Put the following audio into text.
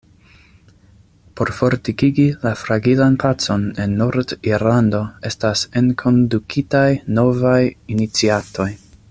Por fortikigi la fragilan pacon en Nord-Irlando estas enkondukitaj novaj iniciatoj.